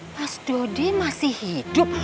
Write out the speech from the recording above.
mas dodi masih hidup